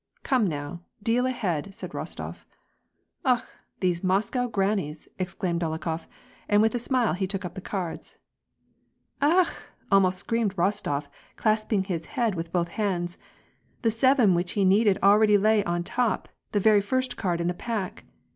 *' Ck)me now, deal ahead !" said Bostof. '^Okh! these Moscow grannies!" exclaimed Dolokhof, and with a smile he took up the cards. '^ Aaaakh I " almost screamed Rostof, clasping his head with both hands. The seven which he needed already lay on top, the very first card in the pack.